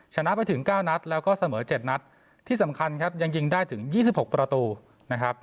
ชนะไปถึงเก้านัดแล้วก็เสมอเจ็ดนัดที่สำคัญครับยังยิงได้ถึงยี่สิบหกประตูนะครับ